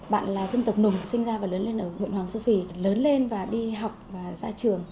bạn là dân tộc nùng sinh ra và lớn lên ở huyện hoàng su phi lớn lên và đi học và ra trường